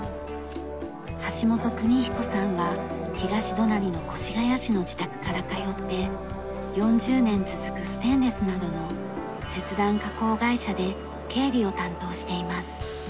橋本邦彦さんは東隣の越谷市の自宅から通って４０年続くステンレスなどの切断加工会社で経理を担当しています。